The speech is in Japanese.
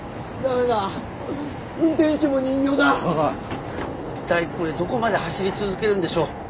ああ一体これどこまで走り続けるんでしょう？